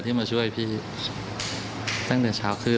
ที่มาช่วยพี่ตั้งแต่เช้าคือ